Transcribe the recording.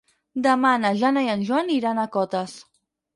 Demà na Jana i en Joan iran a Cotes.